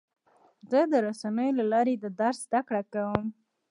زه د رسنیو له لارې د درس زده کړه کوم.